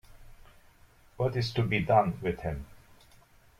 What is to be done with him?